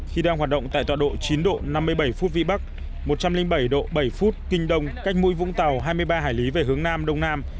khi đang hoạt động tại tọa độ chín độ năm mươi bảy phút vị bắc một trăm linh bảy độ bảy phút kinh đông cách mũi vũng tàu hai mươi ba hải lý về hướng nam đông nam